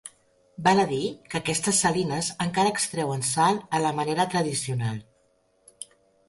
Val a dir que aquestes salines encara extreuen sal a la manera tradicional.